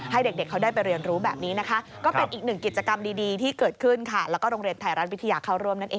ให้เด็กเขาได้ไปเรียนรู้แบบนี้นะคะ